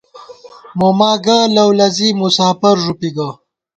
موما گہ لؤ لزِی ، مساپر ݫُپی گہ